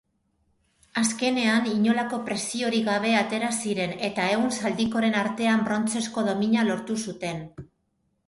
Azkenean inolako presiorik gabe atera ziren, eta ehun zaldikoren artean brontzezko domina lortu zuten.